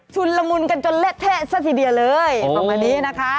ละมุนกันจนเละเทะซะทีเดียวเลยประมาณนี้นะคะ